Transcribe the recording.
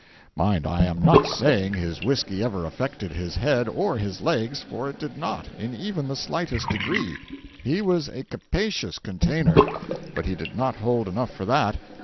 Mind, I am not saying his whisky ever affected his head or his legs, for it did not, in even the slightest degree. He was a capacious container, but he did not hold enough for that.